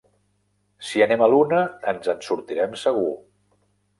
Si anem a l'una, ens en sortirem segur.